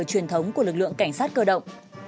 truyền thống của lực lượng cảnh sát cơ động